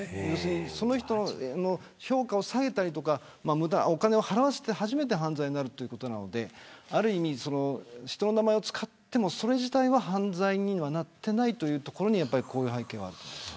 その人の評価を下げたりとかお金を払わせて初めて犯罪になるということなのである意味、人の名前を使ってもそれ自体は犯罪にはなっていないというところが背景があると思います。